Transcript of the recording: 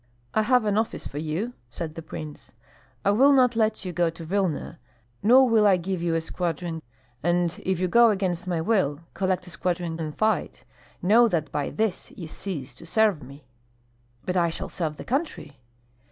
"I have an office for you," said the prince. "I will not let you go to Vilna, nor will I give you a squadron; and if you go against my will, collect a squadron and fight, know that by this you cease to serve me." "But I shall serve the country."